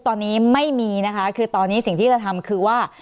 ตอนนี้ไม่มีนะคะคือตอนนี้สิ่งที่จะทำคือว่า